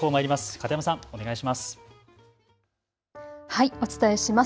片山さん、お願いします。